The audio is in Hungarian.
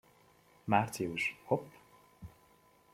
Március, hopp!